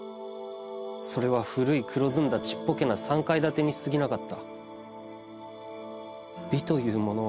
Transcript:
それは古い黒ずんだ小っぽけな三階建にすぎなかった」。